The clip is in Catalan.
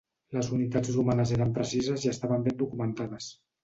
Les unitats romanes eren precises i estaven ben documentades.